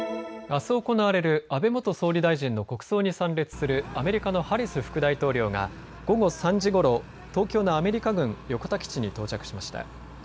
あす行われる安倍元総理大臣の国葬に参列するアメリカのハリス副大統領が午後３時ごろ、東京のアメリカ軍横田基地に到着しました。